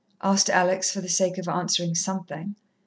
asked Alex, for the sake of answering something.